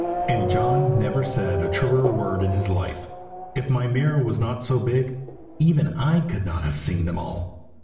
And John never said a truer word in his life. If my mirror were not so big, even I could not have seen them all.